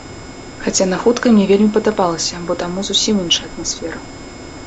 Хаця на хуткай мне вельмі падабалася, бо таму зусім іншая атмасфера.